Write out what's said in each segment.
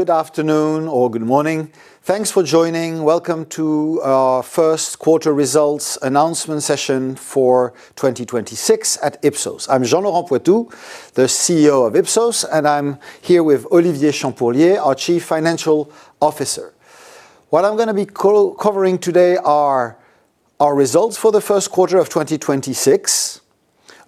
Hello, good afternoon or good morning. Thanks for joining. Welcome to our Q1 results announcement session for 2026 at Ipsos. I'm Jean-Laurent Poitou, the CEO of Ipsos, and I'm here with Olivier Champourlier, our Chief Financial Officer. What I'm going to be covering today are our results for the Q1 of 2026,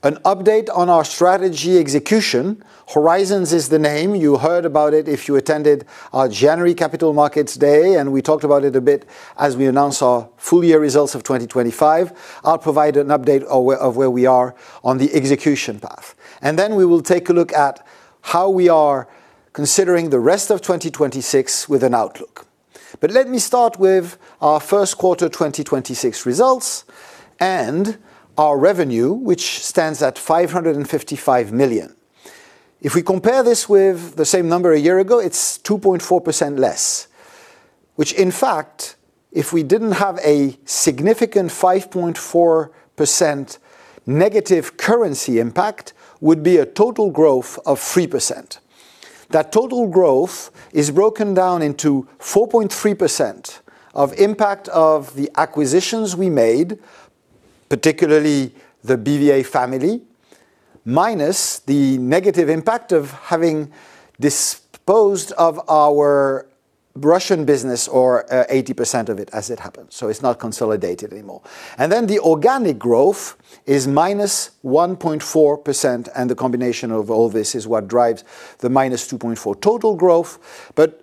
an update on our strategy execution. Horizons is the name. You heard about it if you attended our January Capital Markets Day, and we talked about it a bit as we announced our full year results of 2025. I'll provide an update of where we are on the execution path, and then we will take a look at how we are considering the rest of 2026 with an outlook. Let me start with our Q1 2026 results and our revenue, which stands at 555 million. If we compare this with the same number a year ago, it's 2.4% less, which in fact, if we didn't have a significant 5.4% negative currency impact, would be a total growth of 3%. That total growth is broken down into 4.3% of impact of the acquisitions we made, particularly the BVA Family, minus the negative impact of having disposed of our Russian business or 80% of it as it happens. It's not consolidated anymore. Then the organic growth is -1.4%, and the combination of all this is what drives the -2.4% total growth.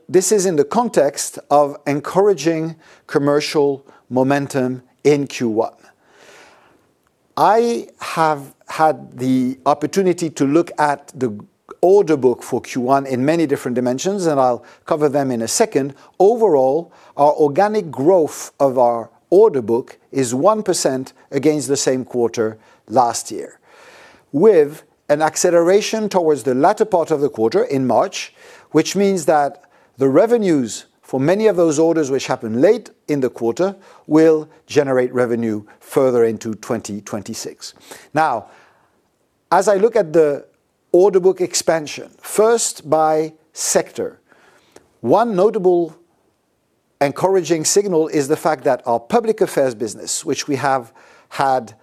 This is in the context of encouraging commercial momentum in Q1. I have had the opportunity to look at the order book for Q1 in many different dimensions, and I'll cover them in a second. Overall, our organic growth of our order book is 1% against the same quarter last year, with an acceleration towards the latter part of the quarter in March, which means that the revenues for many of those orders, which happen late in the quarter, will generate revenue further into 2026. Now, as I look at the order book expansion, first by sector, one notable encouraging signal is the fact that our public affairs business, which we have had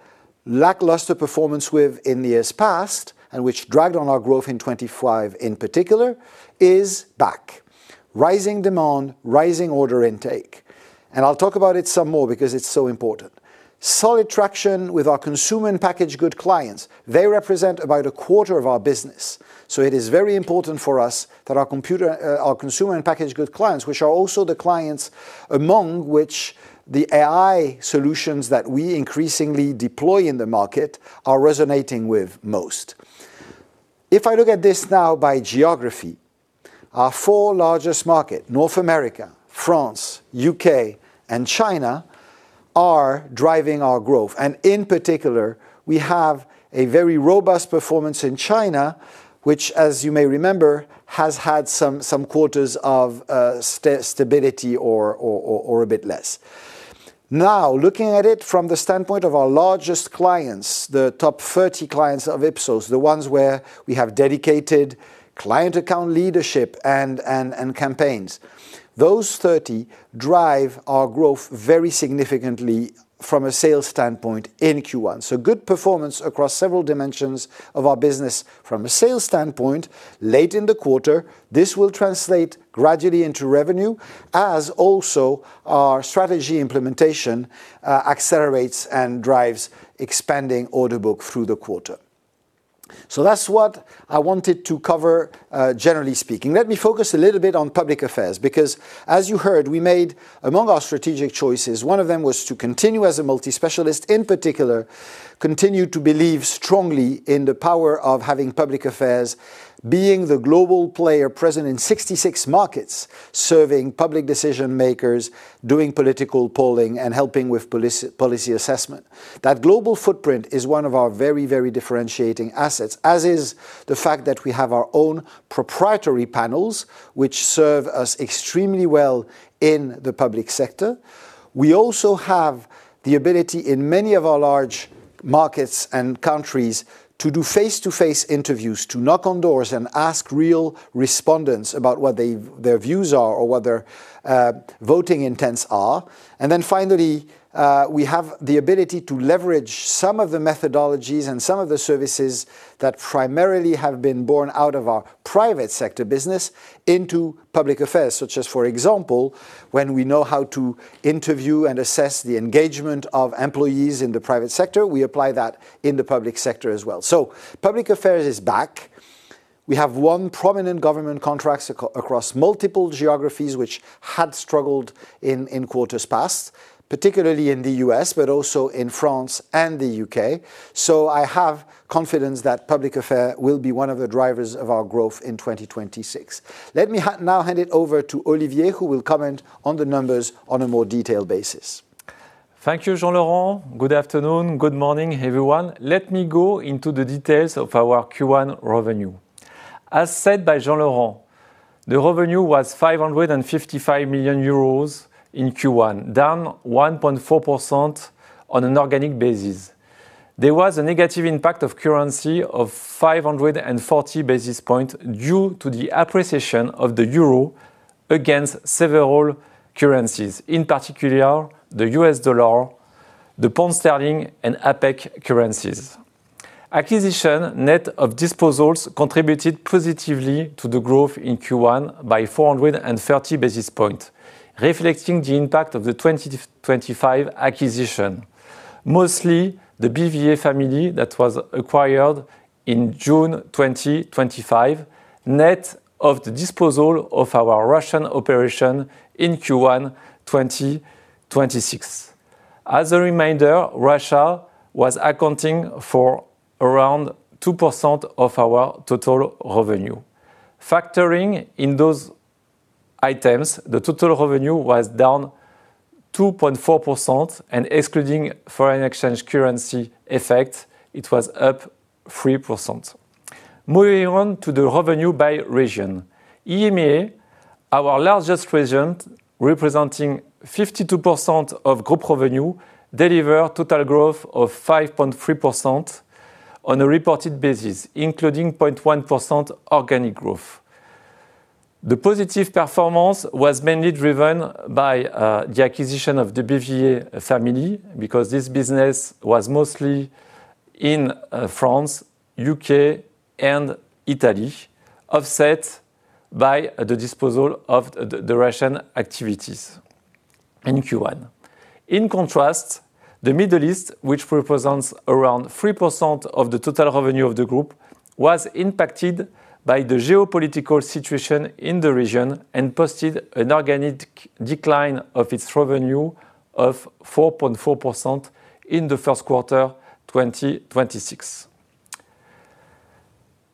lackluster performance with in the years past and which dragged on our growth in 2025 in particular, is back. Rising demand, rising order intake. I'll talk about it some more because it's so important. Solid traction with our consumer packaged goods clients. They represent about a quarter of our business. It is very important for us that our consumer and packaged goods clients, which are also the clients among which the AI solutions that we increasingly deploy in the market, are resonating with most. If I look at this now by geography, our four largest markets, North America, France, U.K., and China, are driving our growth. In particular, we have a very robust performance in China, which, as you may remember, has had some quarters of stability or a bit less. Now, looking at it from the standpoint of our largest clients, the top 30 clients of Ipsos, the ones where we have dedicated client account leadership and campaigns, drive our growth very significantly from a sales standpoint in Q1. Good performance across several dimensions of our business from a sales standpoint late in the quarter. This will translate gradually into revenue as also our strategy implementation accelerates and drives expanding order book through the quarter. That's what I wanted to cover, generally speaking. Let me focus a little bit on public affairs, because as you heard, we made among our strategic choices, one of them was to continue as a multi-specialist, in particular, continue to believe strongly in the power of having public affairs being the global player present in 66 markets, serving public decision-makers, doing political polling, and helping with policy assessment. That global footprint is one of our very, very differentiating assets, as is the fact that we have our own proprietary panels, which serve us extremely well in the public sector. We also have the ability in many of our large markets and countries to do face-to-face interviews, to knock on doors and ask real respondents about what their views are or what their voting intents are. Then finally, we have the ability to leverage some of the methodologies and some of the services that primarily have been born out of our private sector business into public affairs, such as, for example, when we know how to interview and assess the engagement of employees in the private sector, we apply that in the public sector as well. Public affairs is back. We have won prominent government contracts across multiple geographies which had struggled in quarters past, particularly in the U.S., but also in France and the U.K. I have confidence that public affairs will be one of the drivers of our growth in 2026. Let me now hand it over to Olivier, who will comment on the numbers on a more detailed basis. Thank you, Jean-Laurent. Good afternoon. Good morning, everyone. Let me go into the details of our Q1 revenue. As said by Jean-Laurent, the revenue was 555 million euros in Q1, down 1.4% on an organic basis. There was a negative impact of currency of 540 basis point due to the appreciation of the euro against several currencies, in particular, the US dollar, the pound sterling, and APAC currencies. Acquisition net of disposals contributed positively to the growth in Q1 by 430 basis points, reflecting the impact of the 2025 acquisition. Mostly The BVA Family that was acquired in June 2025, net of the disposal of our Russian operation in Q1 2026. As a reminder, Russia was accounting for around 2% of our total revenue. Factoring in those items, the total revenue was down 2.4% and excluding foreign exchange currency effect, it was up 3%. Moving on to the revenue by region. EMEA, our largest region, representing 52% of group revenue, delivered total growth of 5.3% on a reported basis, including 0.1% organic growth. The positive performance was mainly driven by the acquisition of The BVA Family because this business was mostly in France, U.K., and Italy, offset by the disposal of the Russian activities in Q1. In contrast, the Middle East, which represents around 3% of the total revenue of the group, was impacted by the geopolitical situation in the region and posted an organic decline of its revenue of 4.4% in the Q1 2026.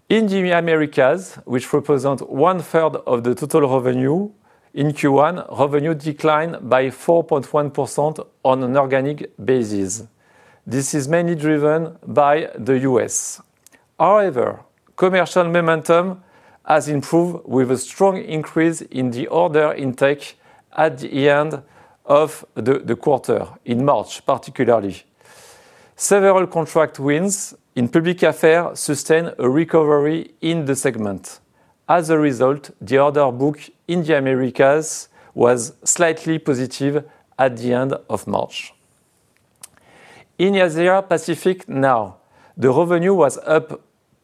In the Americas, which represent 1/3 of the total revenue, in Q1, revenue declined by 4.1% on an organic basis. This is mainly driven by the U.S. However, commercial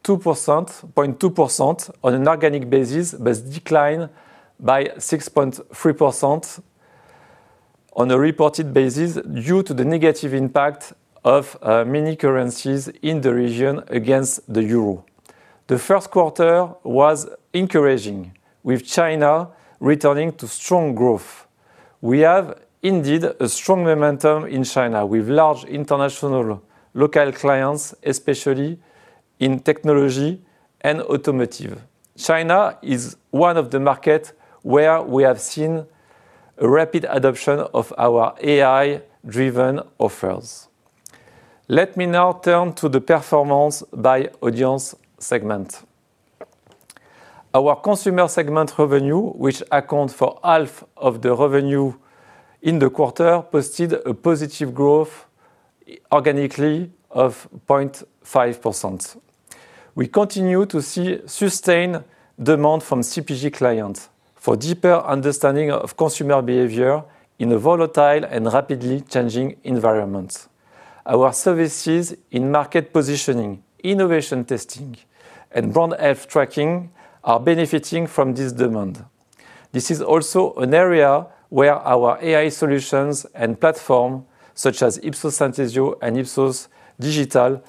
momentum has improved with a strong increase in the order intake at the end of the quarter, in March, particularly. Several contract wins in public affairs sustain a recovery in the segment. As a result, the order book in the Americas was slightly positive at the end of March. In Asia Pacific now, the revenue was up 2%, 0.2% on an organic basis, but declined by 6.3% on a reported basis due to the negative impact of many currencies in the region against the euro. The Q1 was encouraging, with China returning to strong growth. We have indeed a strong momentum in China with large international local clients, especially in technology and automotive. China is one of the markets where we have seen a rapid adoption of our AI-driven offers. Let me now turn to the performance by audience segment. Our consumer segment revenue, which accounts for half of the revenue in the quarter, posted a positive growth organically of 0.5%. We continue to see sustained demand from CPG clients for deeper understanding of consumer behavior in a volatile and rapidly changing environment. Our services in market positioning, innovation testing, and brand health tracking are benefiting from this demand. This is also an area where our AI solutions and platform such as Ipsos Synthesio and Ipsos Digital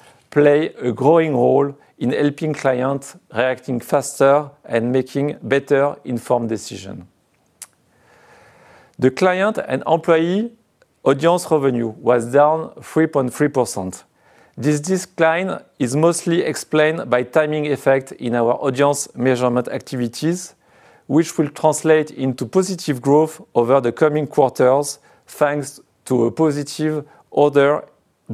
play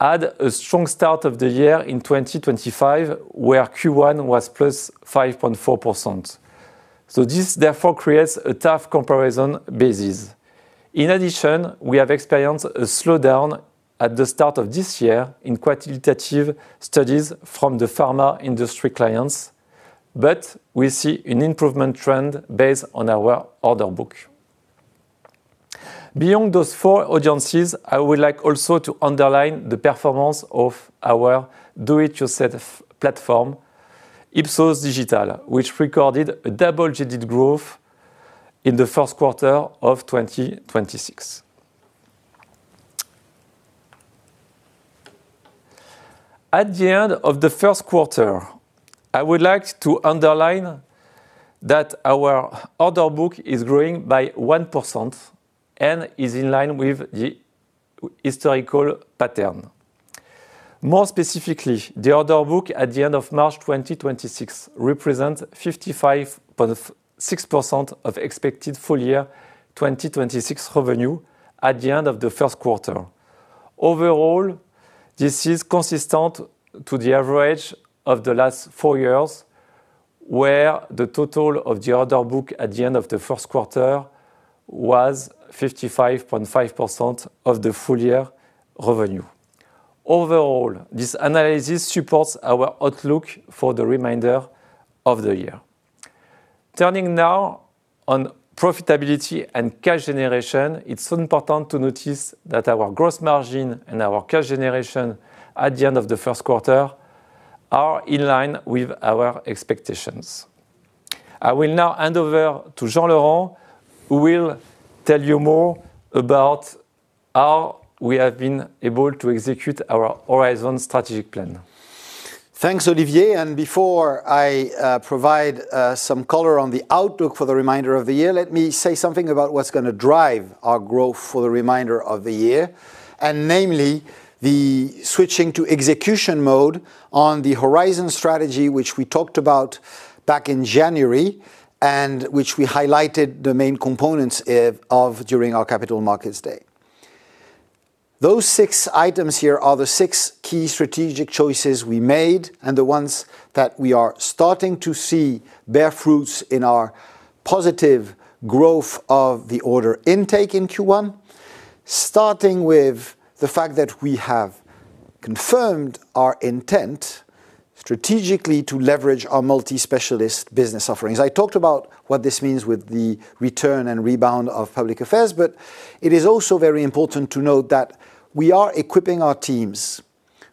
a growing role in helping clients reacting faster and making better-informed decisions. The client and employee audience revenue was down 3.3%. This decline is mostly explained by timing effect in our audience measurement activities, which will translate into positive growth over the coming quarters, thanks to a positive order and is in line with the historical pattern. More specifically, the order book at the end of March 2026 represents 55.6% of expected full year 2026 revenue at the end of the Q1. Overall, this is consistent to the average of the last four years, where the total of the order book at the end of the Q1 was 55.5% of the full year revenue. Overall, this analysis supports our outlook for the remainder of the year. Turning now on profitability and cash generation, it's important to notice that our gross margin and our cash generation at the end of the Q1 are in line with our expectations. I will now hand over to Jean-Laurent, who will tell you more about how we have been able to execute our Horizons strategic plan. Thanks, Olivier. Before I provide some color on the outlook for the remainder of the year, let me say something about what's going to drive our growth for the remainder of the year, and namely, the switching to execution mode on the Horizons strategy, which we talked about back in January, and which we highlighted the main components of during our Capital Markets Day. Those six items here are the six key strategic choices we made and the ones that we are starting to see bear fruits in our positive growth of the order intake in Q1. Starting with the fact that we have confirmed our intent strategically to leverage our multi-specialist business offerings. I talked about what this means with the return and rebound of public affairs, but it is also very important to note that we are equipping our teams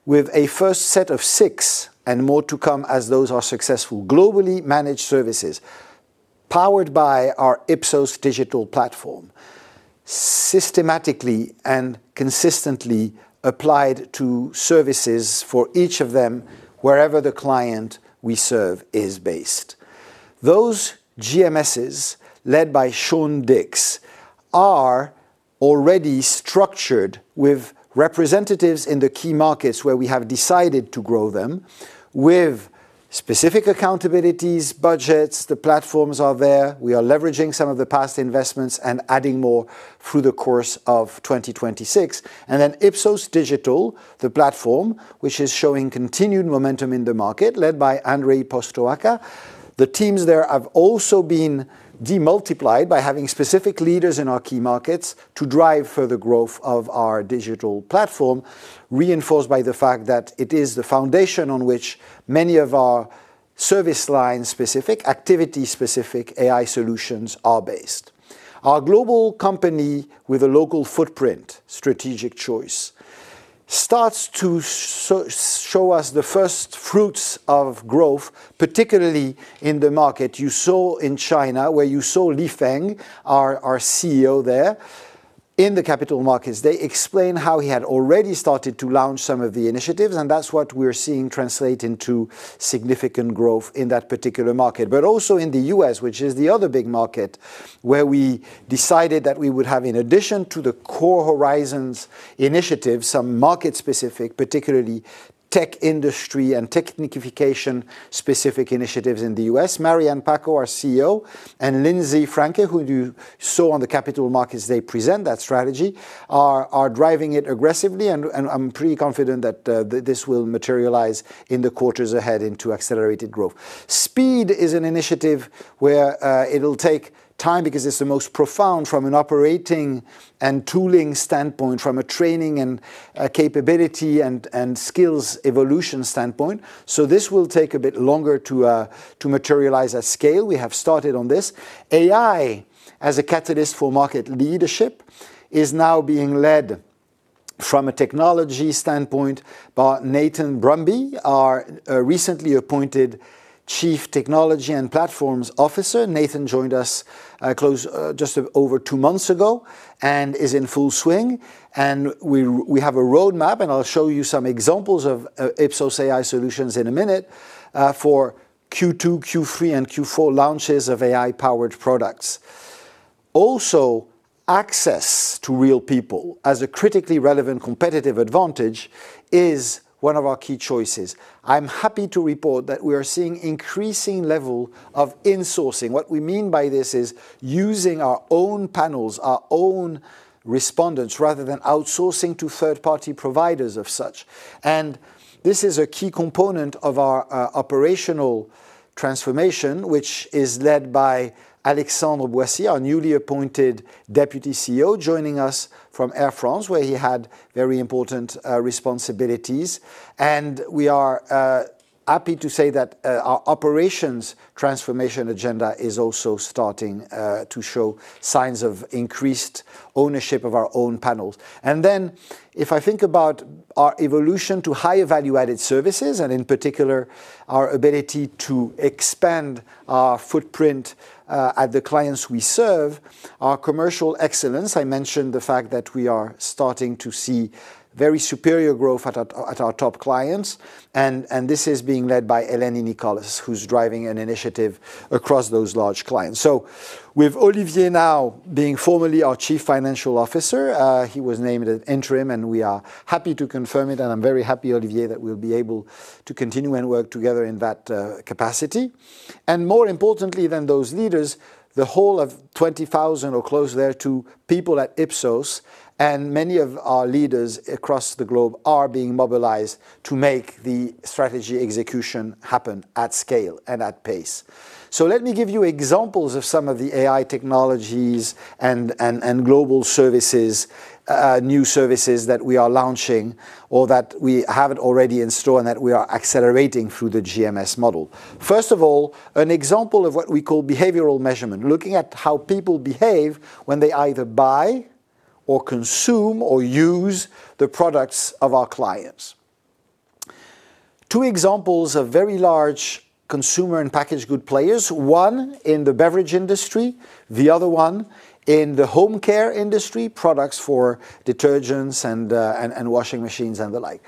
with a first set of six, and more to come as those are successful, Globally Managed Services powered by our Ipsos Digital platform, systematically and consistently applied to services for each of them wherever the client we serve is based. Those GMSs, led by Sean Dix, are already structured with representatives in the key markets where we have decided to grow them with specific accountabilities, budgets. The platforms are there. We are leveraging some of the past investments and adding more through the course of 2026. Then Ipsos Digital, the platform, which is showing continued momentum in the market, led by Andrei Postoaca. The teams there have also been multiplied by having specific leaders in our key markets to drive further growth of our digital platform, reinforced by the fact that it is the foundation on which many of our service line-specific, activity-specific AI solutions are based. Our global company with a local footprint strategic choice starts to show us the first fruits of growth, particularly in the market you saw in China, where you saw Li Feng, our CEO there. In the Capital Markets Day, he explained how he had already started to launch some of the initiatives, and that's what we're seeing translate into significant growth in that particular market. Also in the U.S., which is the other big market, where we decided that we would have, in addition to the core Horizons initiative, some market-specific, particularly tech industry and technification-specific initiatives in the U.S. Mary Ann Packo, our CEO, and Lindsay Franke, who you saw on the Capital Markets Day presenting that strategy, are driving it aggressively, and I'm pretty confident that this will materialize in the quarters ahead into accelerated growth. Speed is an initiative where it'll take time because it's the most profound from an operating and tooling standpoint, from a training and capability and skills evolution standpoint. This will take a bit longer to materialize at scale. We have started on this. AI as a catalyst for market leadership is now being led from a technology standpoint by Nathan Brumby, our recently appointed Chief Technology and Platforms Officer. Nathan joined us just over two months ago and is in full swing. We have a roadmap, and I'll show you some examples of Ipsos AI solutions in a minute, for Q2, Q3, and Q4 launches of AI-powered products. Also, access to real people as a critically relevant competitive advantage is one of our key choices. I'm happy to report that we are seeing increasing level of insourcing. What we mean by this is using our own panels, our own respondents, rather than outsourcing to third-party providers of such. This is a key component of our operational transformation, which is led by Alexandre Boissy, our newly appointed Deputy CEO, joining us from Air France, where he had very important responsibilities. We are happy to say that our operations transformation agenda is also starting to show signs of increased ownership of our own panels. If I think about our evolution to higher value-added services, and in particular, our ability to expand our footprint at the clients we serve, our commercial excellence, I mentioned the fact that we are starting to see very superior growth at our top clients. This is being led by Eleni Nicholas, who's driving an initiative across those large clients. With Olivier now being formerly our Chief Financial Officer, he was named an interim, and we are happy to confirm it, and I'm very happy, Olivier, that we'll be able to continue and work together in that capacity. More importantly than those leaders, the whole of 20,000, or close thereto, people at Ipsos, and many of our leaders across the globe are being mobilized to make the strategy execution happen at scale and at pace. Let me give you examples of some of the AI technologies and global services, new services that we are launching or that we have already in store and that we are accelerating through the GMS model. First of all, an example of what we call Behavioral Measurement, looking at how people behave when they either buy or consume or use the products of our clients. Two examples of very large consumer packaged goods players, one in the beverage industry, the other one in the home care industry, products for detergents and washing machines and the like.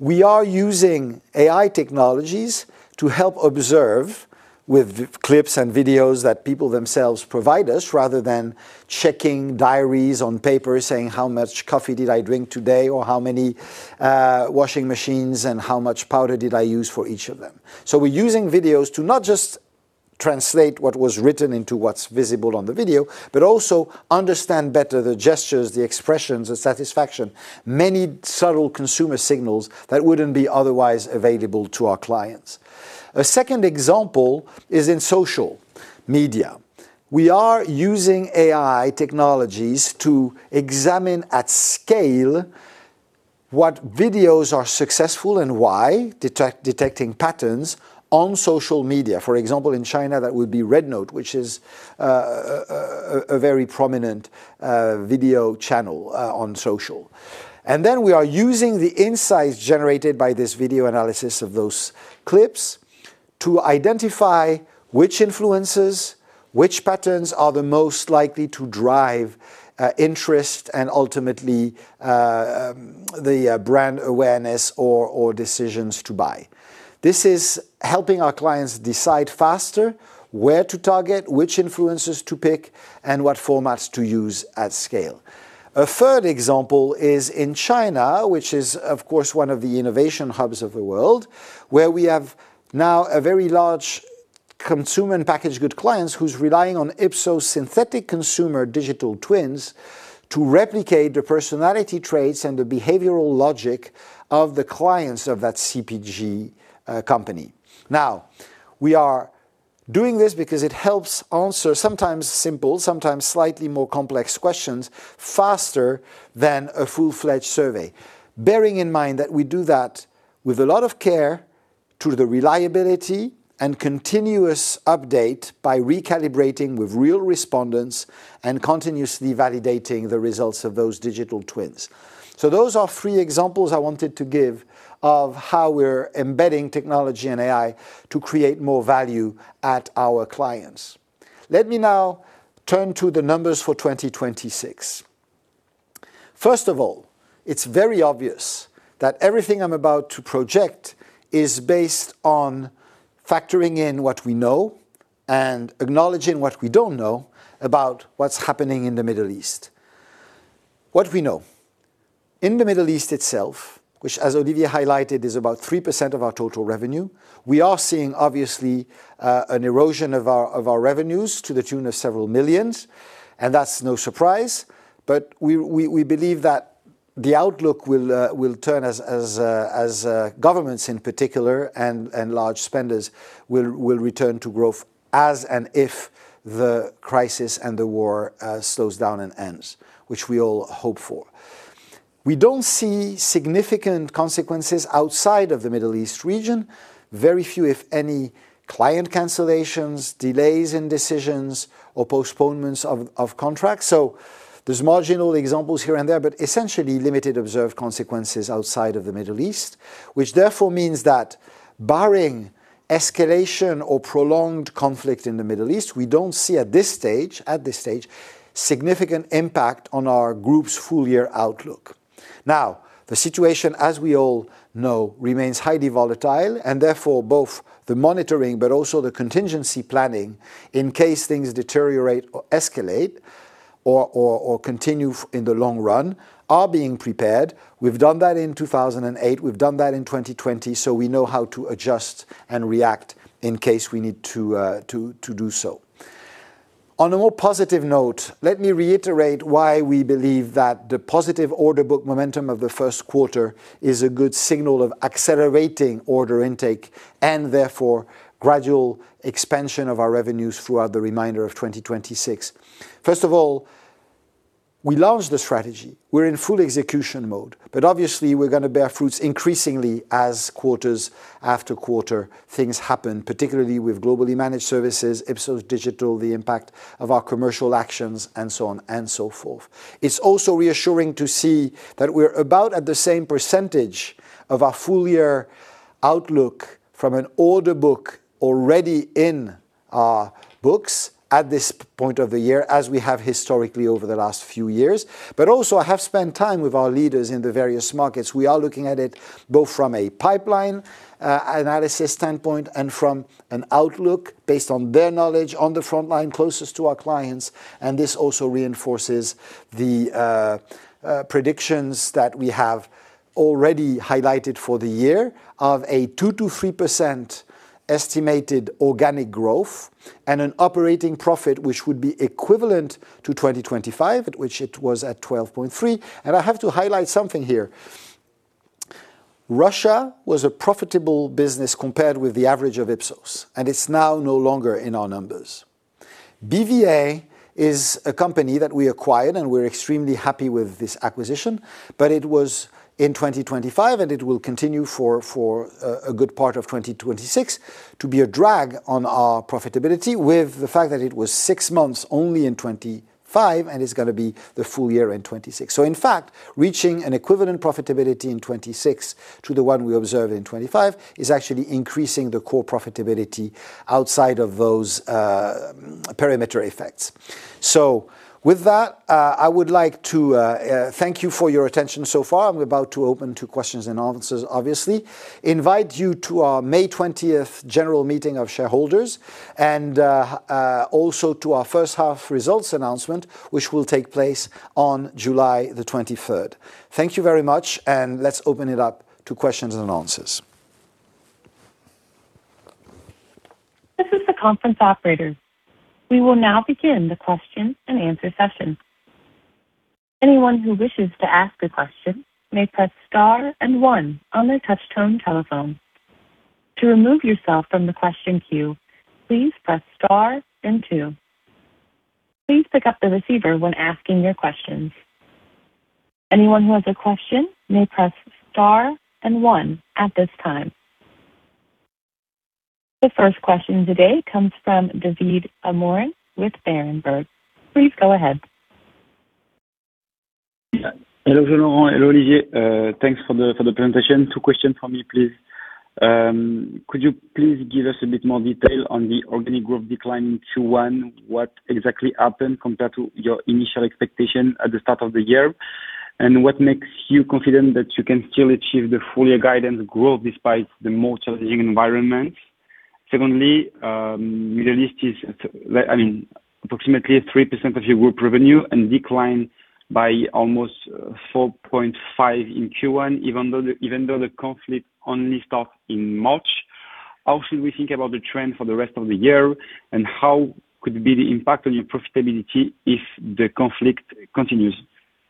We are using AI technologies to help observe with clips and videos that people themselves provide us, rather than checking diaries on paper saying, "How much coffee did I drink today?" Or, "How many washing machines and how much powder did I use for each of them?" We're using videos to not just translate what was written into what's visible on the video, but also understand better the gestures, the expressions, the satisfaction, many subtle consumer signals that wouldn't be otherwise available to our clients. A second example is in social media. We are using AI technologies to examine at scale what videos are successful and why, detecting patterns on social media. For example, in China, that would be RedNote, which is a very prominent video channel on social. We are using the insights generated by this video analysis of those clips to identify which influences, which patterns are the most likely to drive interest and ultimately the brand awareness or decisions to buy. This is helping our clients decide faster where to target, which influencers to pick, and what formats to use at scale. A third example is in China, which is of course one of the innovation hubs of the world, where we have now a very large consumer packaged goods client who's relying on Ipsos synthetic consumer digital twins to replicate the personality traits and the behavioral logic of the clients of that CPG company. Now, we are doing this because it helps answer sometimes simple, sometimes slightly more complex questions faster than a full-fledged survey. Bearing in mind that we do that with a lot of care to the reliability and continuous update by recalibrating with real respondents and continuously validating the results of those digital twins. Those are three examples I wanted to give of how we're embedding technology and AI to create more value at our clients. Let me now turn to the numbers for 2026. First of all, it's very obvious that everything I'm about to project is based on factoring in what we know and acknowledging what we don't know about what's happening in the Middle East. What we know. In the Middle East itself, which as Olivier highlighted, is about 3% of our total revenue, we are seeing obviously an erosion of our revenues to the tune of several millions, and that's no surprise. We believe that the outlook will turn as governments in particular and large spenders will return to growth as and if the crisis and the war slows down and ends, which we all hope for. We don't see significant consequences outside of the Middle East region. Very few, if any, client cancellations, delays in decisions, or postponements of contracts. There's marginal examples here and there, but essentially limited observed consequences outside of the Middle East, which therefore means that barring escalation or prolonged conflict in the Middle East, we don't see at this stage, significant impact on our group's full year outlook. Now, the situation, as we all know, remains highly volatile and therefore, both the monitoring but also the contingency planning in case things deteriorate or escalate or continue in the long run, are being prepared. We've done that in 2008, we've done that in 2020, so we know how to adjust and react in case we need to do so. On a more positive note, let me reiterate why we believe that the positive order book momentum of the Q1 is a good signal of accelerating order intake and therefore gradual expansion of our revenues throughout the remainder of 2026. First of all, we launched the strategy. We're in full execution mode, but obviously, we're going to bear fruits increasingly as quarter after quarter things happen, particularly with Globally Managed Services, Ipsos Digital, the impact of our commercial actions, and so on and so forth. It's also reassuring to see that we're about at the same percentage of our full year outlook from an order book already in our books at this point of the year as we have historically over the last few years. I have spent time with our leaders in the various markets. We are looking at it both from a pipeline analysis standpoint and from an outlook based on their knowledge on the frontline closest to our clients, and this also reinforces the predictions that we have already highlighted for the year of a 2%-3% estimated organic growth and an operating profit, which would be equivalent to 2025, at which it was at 12.3. I have to highlight something here. Russia was a profitable business compared with the average of Ipsos, and it's now no longer in our numbers. BVA is a company that we acquired, and we're extremely happy with this acquisition, but it was in 2025, and it will continue for a good part of 2026 to be a drag on our profitability with the fact that it was six months only in 2025 and is going to be the full year in 2026. In fact, reaching an equivalent profitability in 2026 to the one we observed in 2025 is actually increasing the core profitability outside of those perimeter effects. With that, I would like to thank you for your attention so far. I'm about to open to questions and answers, obviously. I invite you to our May 20th general meeting of shareholders and also to our H1 results announcement, which will take place on July the 23rd. Thank you very much, and let's open it up to questions and answers. This is the conference operator. We will now begin the question and answer session. Anyone who wishes to ask a question may press star and one on their touch-tone telephone. To remove yourself from the question queue, please press star and two. Please pick up the receiver when asking your questions. Anyone who has a question may press star and one at this time. The first question today comes from David Amorim with Berenberg. Please go ahead. Yeah. Hello, Jean-Laurent. Hello, Olivier. Thanks for the presentation. Two questions from me, please. Could you please give us a bit more detail on the organic growth decline in Q1? What exactly happened compared to your initial expectation at the start of the year? What makes you confident that you can still achieve the full year guidance growth despite the more challenging environment? Secondly, Middle East is approximately 3% of your group revenue and declined by almost 4.5% in Q1, even though the conflict only started in March. How should we think about the trend for the rest of the year, and what could be the impact on your profitability if the conflict continues?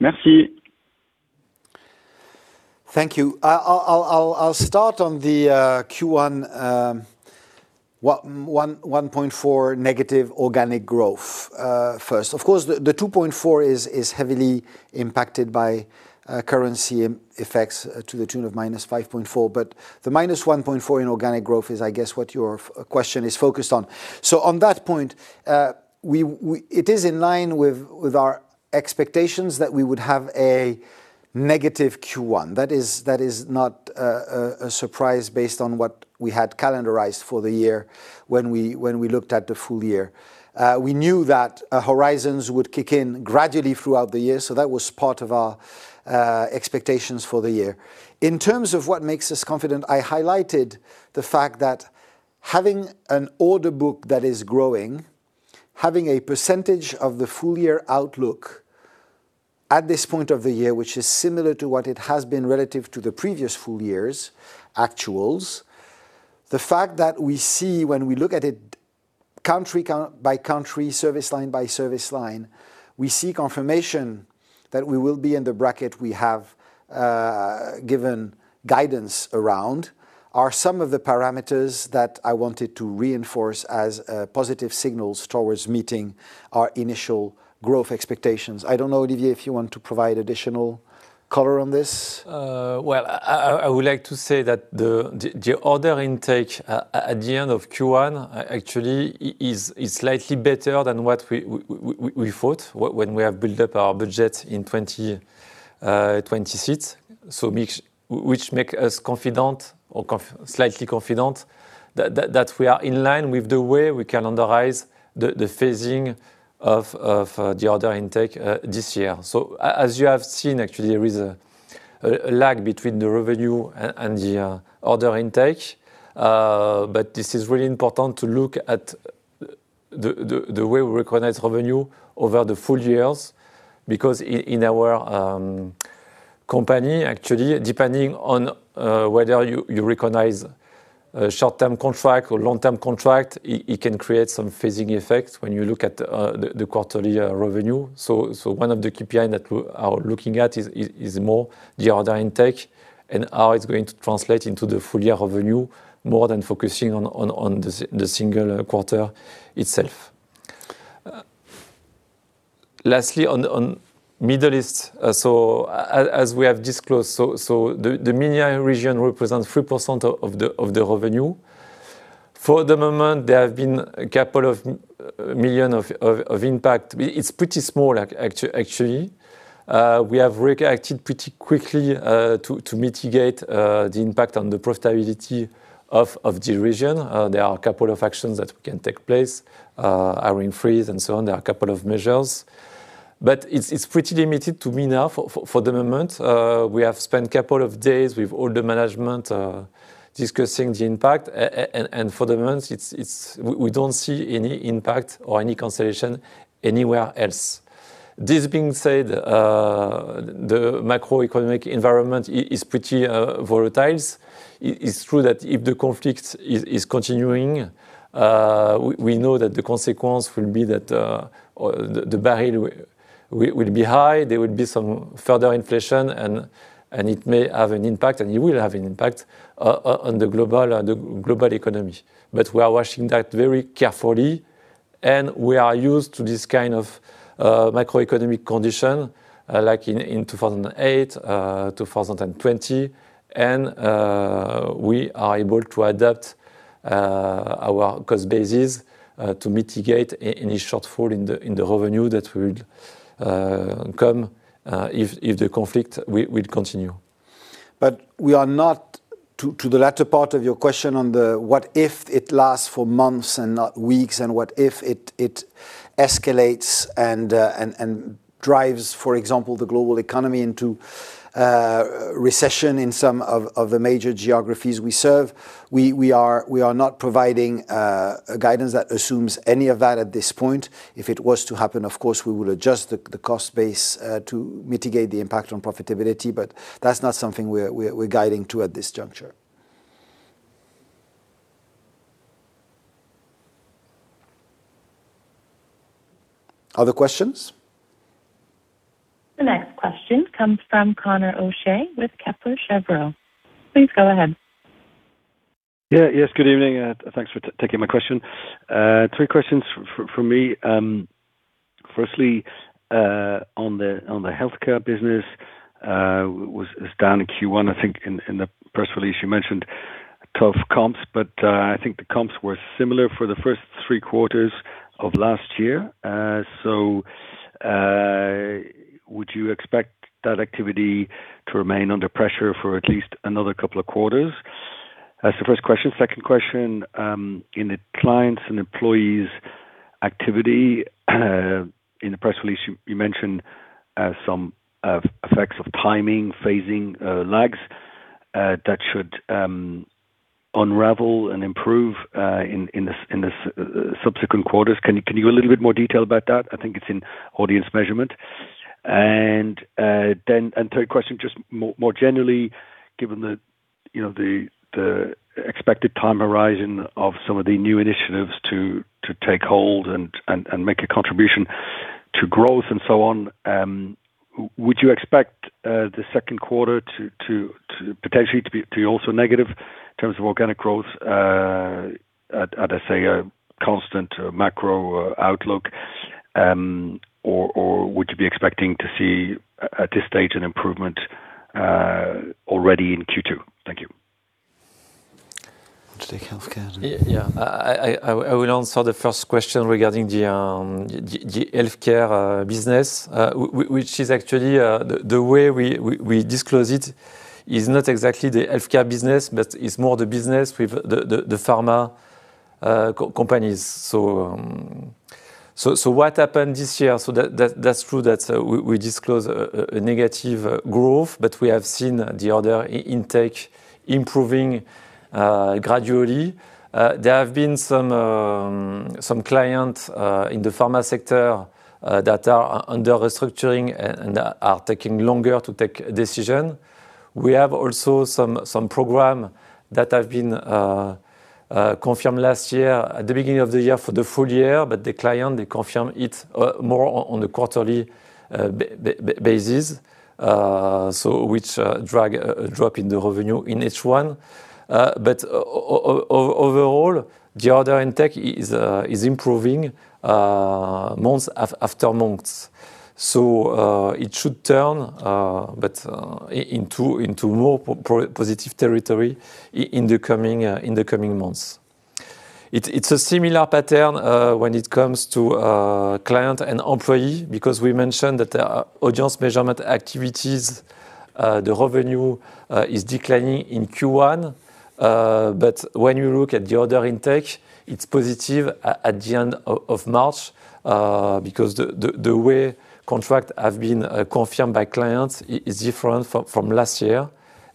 Merci. Thank you. I'll start on the Q1 -1.4% negative organic growth first. Of course, the 2.4% is heavily impacted by currency effects to the tune of -5.4%, but the -1.4% in organic growth is, I guess, what your question is focused on. On that point, it is in line with our expectations that we would have a negative Q1. That is not a surprise based on what we had calendarized for the year when we looked at the full year. We knew that Horizons would kick in gradually throughout the year, so that was part of our expectations for the year. In terms of what makes us confident, I highlighted the fact that having an order book that is growing, having a percentage of the full year outlook at this point of the year, which is similar to what it has been relative to the previous full years' actuals. The fact that we see when we look at it country by country, service line by service line, we see confirmation that we will be in the bracket we have given guidance around are some of the parameters that I wanted to reinforce as positive signals towards meeting our initial growth expectations. I don't know, Olivier, if you want to provide additional color on this. Well, I would like to say that the order intake at the end of Q1 actually is slightly better than what we thought when we have built up our budget in 2026, which make us confident or slightly confident that we are in line with the way we calendarize the phasing of the order intake this year. As you have seen, actually, there is a lag between the revenue and the order intake. This is really important to look at the way we recognize revenue over the full years, because in our company, actually, depending on whether you recognize short-term contract or long-term contract, it can create some phasing effects when you look at the quarterly revenue. One of the KPIs that we are looking at is more the order intake and how it's going to translate into the full-year revenue more than focusing on the single quarter itself. Lastly, on the Middle East. As we have disclosed, the MENA region represents 3% of the revenue. For the moment, there have been a couple of million of impact. It's pretty small, actually. We have reacted pretty quickly to mitigate the impact on the profitability of the region. There are a couple of actions that can take place, hiring freeze and so on. There are a couple of measures. It's pretty limited to MENA for the moment. We have spent a couple of days with all the management discussing the impact. For the moment, we don't see any impact or any cancellation anywhere else. This being said, the macroeconomic environment is pretty volatile. It's true that if the conflict is continuing, we know that the consequence will be that the barrier will be high, there will be some further inflation, and it may have an impact, and it will have an impact on the global economy. We are watching that very carefully, and we are used to this kind of macroeconomic condition, like in 2008, 2020. We are able to adapt our cost basis to mitigate any shortfall in the revenue that will come if the conflict will continue. To the latter part of your question on the what if it lasts for months and not weeks, and what if it escalates and drives, for example, the global economy into recession in some of the major geographies we serve. We are not providing a guidance that assumes any of that at this point. If it was to happen, of course, we will adjust the cost base to mitigate the impact on profitability, but that's not something we're guiding to at this juncture. Other questions? The next question comes from Conor O'Shea with Kepler Cheuvreux. Please go ahead. Yeah. Yes, good evening, and thanks for taking my question. Three questions from me. Firstly, on the healthcare business, it was down in Q1. I think in the press release you mentioned tough comps, but I think the comps were similar for the first three quarters of last year. Would you expect that activity to remain under pressure for at least another couple of quarters? That's the first question. Second question, in the clients and employees activity, in the press release, you mentioned some effects of timing, phasing lags that should unravel and improve in the subsequent quarters. Can you give a little bit more detail about that? I think it's in audience measurement. Third question, just more generally, given the expected time horizon of some of the new initiatives to take hold and make a contribution to growth and so on, would you expect the Q2 potentially to be also negative in terms of organic growth at, as I say, a constant macro outlook? Or would you be expecting to see at this stage an improvement already in Q2? Thank you. Want to take healthcare? Yeah. I will answer the first question regarding the healthcare business, which is actually the way we disclose it is not exactly the healthcare business, but it's more the business with the pharma companies. What happened this year? That's true that we disclose a negative growth, but we have seen the order intake improving gradually. There have been some clients in the pharma sector that are under restructuring and are taking longer to take decision. We have also some program that have been confirmed last year at the beginning of the year for the full year, but the client, they confirm it more on a quarterly basis. Which drop in the revenue in H1. But overall, the order intake is improving months after months. It should turn into more positive territory in the coming months. It's a similar pattern when it comes to client and employee, because we mentioned that audience measurement activities, the revenue is declining in Q1. When you look at the order intake, it's positive at the end of March, because the way contracts have been confirmed by clients is different from last year,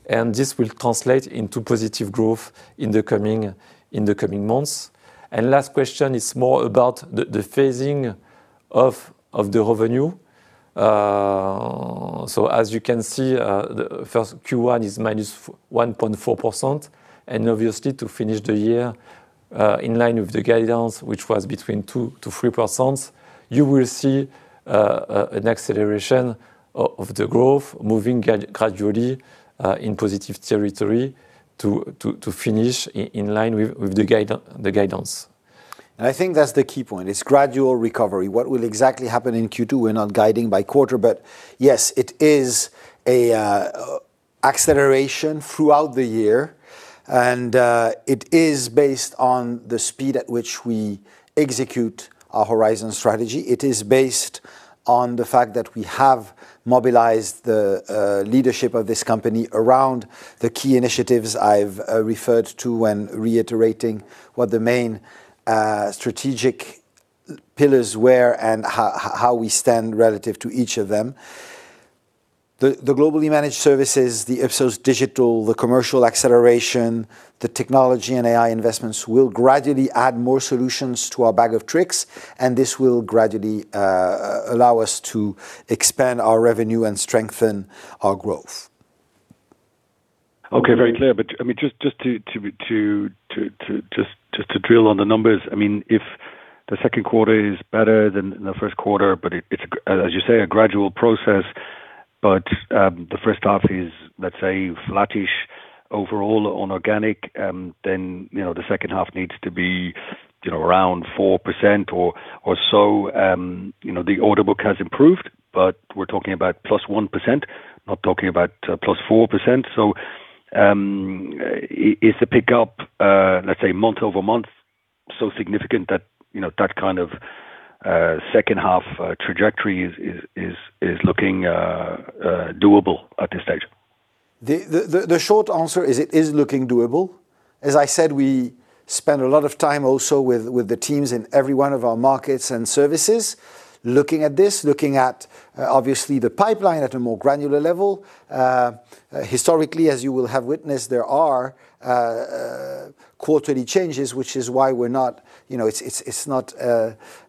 and this will translate into positive growth in the coming months. Last question is more about the phasing of the revenue. As you can see, the first Q1 is -1.4%. Obviously, to finish the year in line with the guidance, which was between 2%-3%, you will see an acceleration of the growth moving gradually in positive territory to finish in line with the guidance. I think that's the key point. It's gradual recovery. What will exactly happen in Q2, we're not guiding by quarter. Yes, it is an acceleration throughout the year, and it is based on the speed at which we execute our Horizons strategy. It is based on the fact that we have mobilized the leadership of this company around the key initiatives I've referred to when reiterating what the main strategic pillars were and how we stand relative to each of them. The Globally Managed Services, the Ipsos Digital, the commercial acceleration, the technology and AI investments will gradually add more solutions to our bag of tricks, and this will gradually allow us to expand our revenue and strengthen our growth. Okay. Very clear. Just to drill on the numbers, if the Q2 is better than the Q1, but it's, as you say, a gradual process, but the H1 is, let's say, flattish overall on organic, then the H2 needs to be around 4% or so. The order book has improved, but we're talking about +1%, not talking about +4%. Is the pickup, let's say, month-over-month, so significant that kind of H2 trajectory is looking doable at this stage? The short answer is it is looking doable. As I said, we spend a lot of time also with the teams in every one of our markets and services looking at this, looking at, obviously, the pipeline at a more granular level. Historically, as you will have witnessed, there are quarterly changes, which is why it's not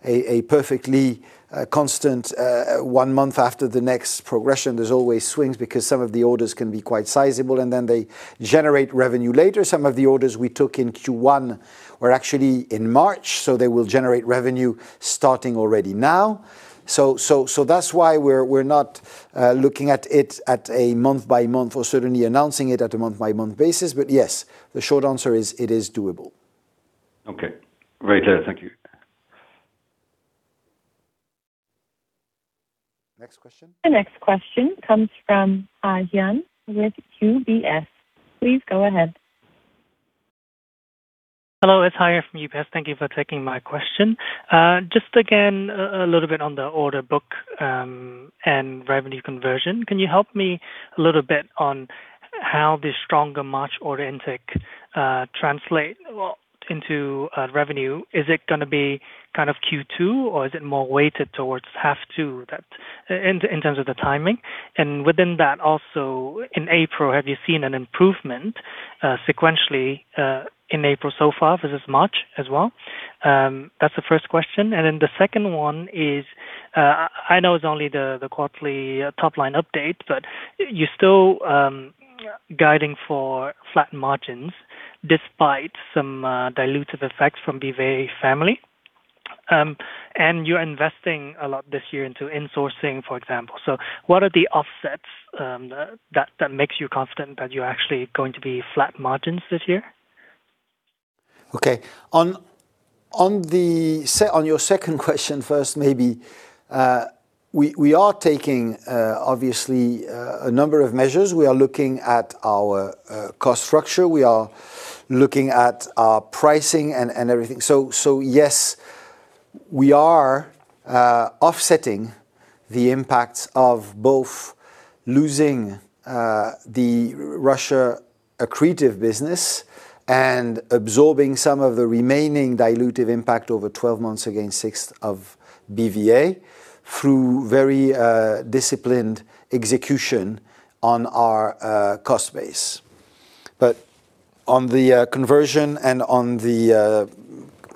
a perfectly constant one month after the next progression. There's always swings because some of the orders can be quite sizable, and then they generate revenue later. Some of the orders we took in Q1 were actually in March, so they will generate revenue starting already now. That's why we're not looking at it at a month by month or certainly announcing it at a month by month basis. Yes, the short answer is it is doable. Okay. Very clear. Thank you. Next question. The next question comes from Hai Huynh with UBS. Please go ahead. Hello, it's Hai Huynh from UBS. Thank you for taking my question. Just again, a little bit on the order book and revenue conversion, can you help me a little bit on how the stronger March order intake translate into revenue? Is it going to be kind of Q2, or is it more weighted towards half two in terms of the timing? And within that, also in April, have you seen an improvement sequentially in April so far versus March as well? That's the first question. The second one is, I know it's only the quarterly top-line update, but you're still guiding for flat margins despite some dilutive effects from BVA Family. And you're investing a lot this year into insourcing, for example. What are the offsets that makes you confident that you're actually going to be flat margins this year? Okay. On your second question first, maybe, we are taking, obviously, a number of measures. We are looking at our cost structure. We are looking at our pricing and everything. Yes, we are offsetting the impact of both losing the Russian accretive business and absorbing some of the remaining dilutive impact over 12 months against acquisition of BVA through very disciplined execution on our cost base. On the conversion and on the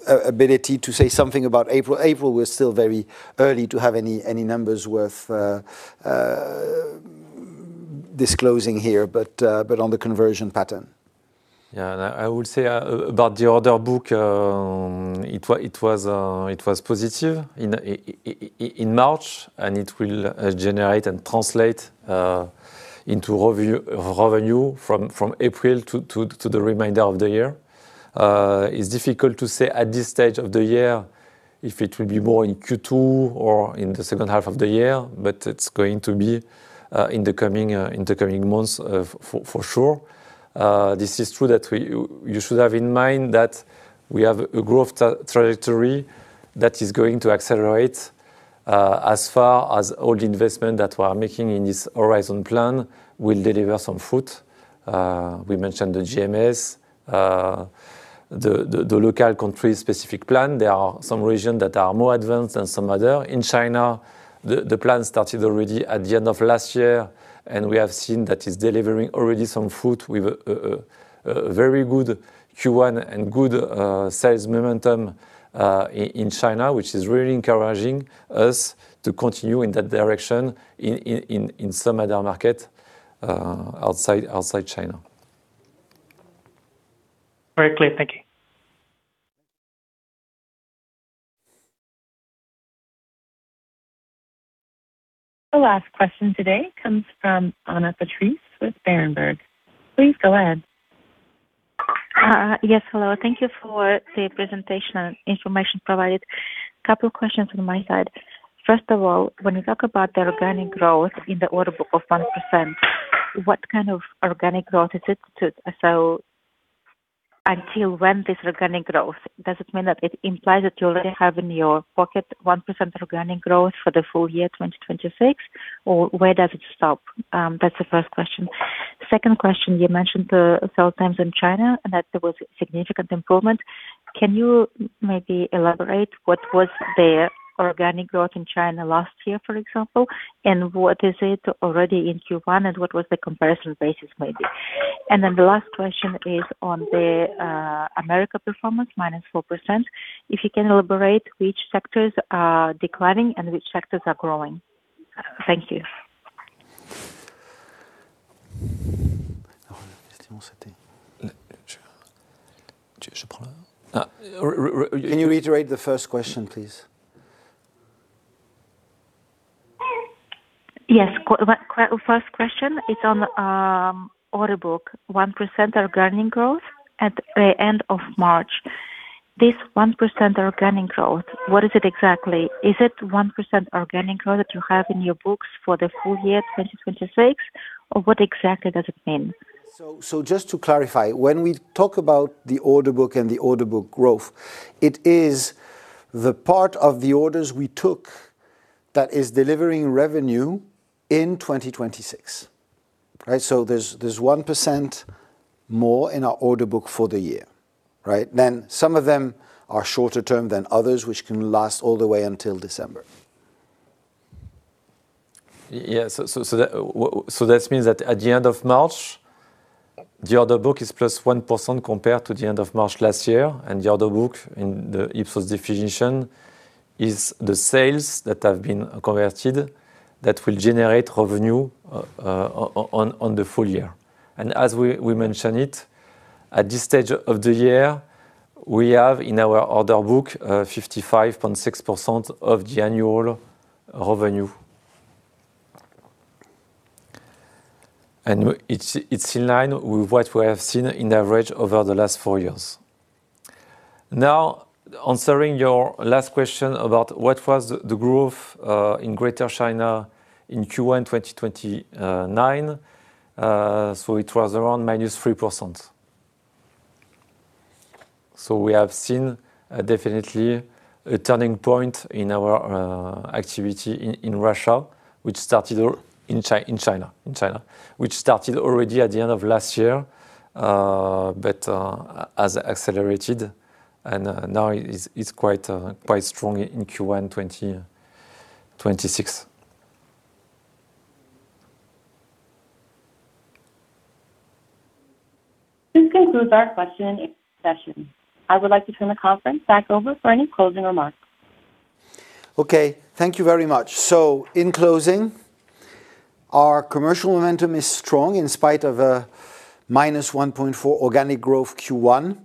ability to say something about April, we're still very early to have any numbers worth disclosing here, but on the conversion pattern. Yeah, I would say about the order book, it was positive in March, and it will generate and translate into revenue from April to the remainder of the year. It's difficult to say at this stage of the year if it will be more in Q2 or in the H2 of the year, but it's going to be in the coming months for sure. This is true that you should have in mind that we have a growth trajectory that is going to accelerate. As far as all the investment that we are making in this Horizons plan will deliver some fruit. We mentioned the GMS, the local country-specific plan. There are some regions that are more advanced than some others. In China, the plan started already at the end of last year, and we have seen that it's delivering already some fruit with a very good Q1 and good sales momentum in China, which is really encouraging us to continue in that direction in some other market outside China. Very clear. Thank you. The last question today comes from Anna Patrice with Berenberg. Please go ahead. Yes. Hello. Thank you for the presentation and information provided. Couple of questions on my side. First of all, when you talk about the organic growth in the order book of 1%, what kind of organic growth is it? Until when this organic growth, does it mean that it implies that you already have in your pocket 1% organic growth for the full year 2026, or where does it stop? That's the first question. Second question, you mentioned several times in China that there was significant improvement. Can you maybe elaborate what was the organic growth in China last year, for example, and what is it already in Q1, and what was the comparison basis, maybe? The last question is on the America performance, -4%. If you can elaborate which sectors are declining and which sectors are growing. Thank you. Can you reiterate the first question, please? Yes. First question is on order book, 1% organic growth at the end of March. This 1% organic growth, what is it exactly? Is it 1% organic growth that you have in your books for the full year 2026, or what exactly does it mean? Just to clarify, when we talk about the order book and the order book growth, it is the part of the orders we took that is delivering revenue in 2026, right? There's 1% more in our order book for the year, right? Some of them are shorter term than others, which can last all the way until December. Yeah. That means that at the end of March, the order book is +1% compared to the end of March last year. The order book in the Ipsos definition is the sales that have been converted that will generate revenue on the full year. As we mention it, at this stage of the year, we have in our order book 55.6% of the annual revenue. It's in line with what we have seen on average over the last four years. Now, answering your last question about what was the growth in Greater China in Q1 2025. It was around -3%. We have seen definitely a turning point in our activity in Russia, which started in China already at the end of last year, but has accelerated and now is quite strong in Q1 2026. This concludes our question session. I would like to turn the conference back over for any closing remarks. Okay. Thank you very much. In closing, our commercial momentum is strong in spite of a -1.4% organic growth Q1.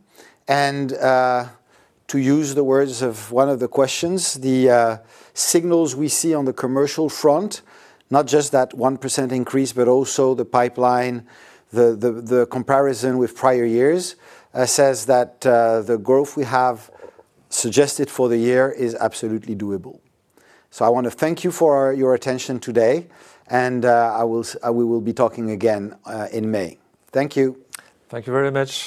To use the words of one of the questions, the signals we see on the commercial front, not just that 1% increase, but also the pipeline. The comparison with prior years says that the growth we have suggested for the year is absolutely doable. I want to thank you for your attention today, and we will be talking again in May. Thank you. Thank you very much.